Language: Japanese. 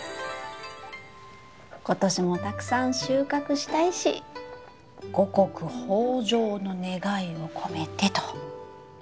今年もたくさん収穫したいし五穀豊じょうの願いを込めてと。